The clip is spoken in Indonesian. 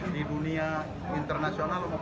dan ini adalah senjata yang sangat berharga